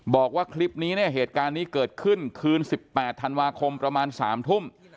บอกว่าคลิปนี้เนี่ยเหตุการณ์นี้เกิดขึ้นคืน๑๘ธันวาคมประมาณ๓ทุ่ม